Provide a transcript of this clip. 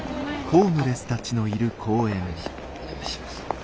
お願いします。